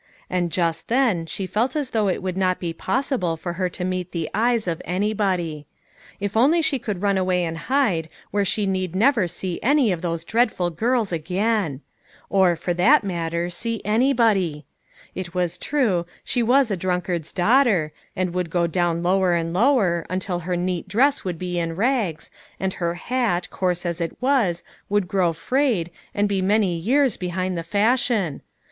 And just then she felt as though it would not be possible for her to meet the eyes of anybody. If only she could run away and hide, where she need never see any of those dreadful girls again ! or, for that matter, see anybody. It was true, she was 'a drunkard's daughter, and would go down lower and lower, until her neat dress would be in rags, and her hat, coarse as it was, would grow frayed, and be many years behind the fashion.